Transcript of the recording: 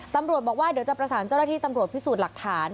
ตำรวจบอกว่าเดี๋ยวจะประสานเจ้าหน้าที่ตำรวจพิสูจน์หลักฐาน